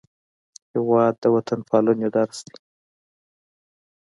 هېواد د وطنپالنې درس دی.